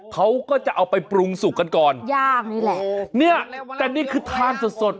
เขาก็จะเอาไปปรุงสุกกันก่อนย่างนี่แหละเนี้ยแต่นี่คือทานสดสด